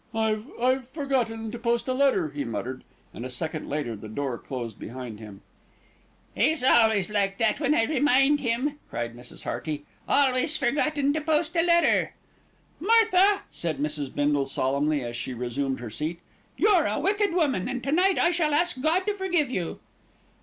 "I I've forgotten to post a letter," he muttered, and a second later the door closed behind him. "'E's always like that when I remind him," cried Mrs. Hearty, "always forgotten to post a letter." "Martha," said Mrs. Bindle solemnly, as she resumed her seat, "you're a wicked woman, and to night I shall ask God to forgive you."